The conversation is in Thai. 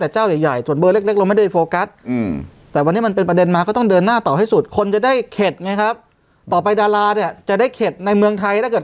จะได้เข็ดไงครับต่อไปดาราจะได้เข็ดในเมืองไทยถ้าเกิด